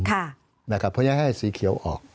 เพราะฉะนั้นให้สีเขียวออก